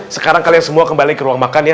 sekarang kalian semua kembali ke ruang makan ya